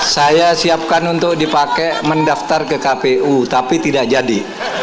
saya siapkan untuk dipakai mendaftar ke kpu tapi tidak jadi